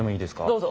どうぞ。